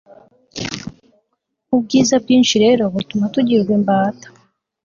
ubwiza bwinshi rero butuma tugirwa imbata